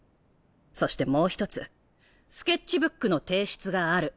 そしてもう一つスケッチブックの提出がある。